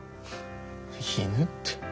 犬って。